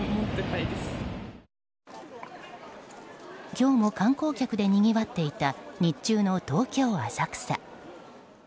今日も観光客でにぎわっていた日中の東京・浅草。